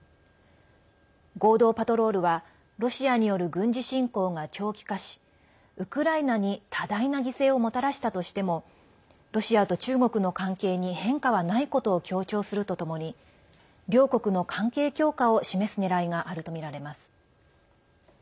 合同パトロールはロシアによる軍事侵攻が長期化しウクライナに多大な犠牲をもたらしたとしてもロシアと中国の関係に変化はないことを強調するとともに両国の関係強化を示すねらいがあるとみられます。